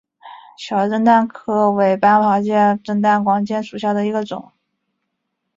小震旦光介为半花介科震旦光介属下的一个种。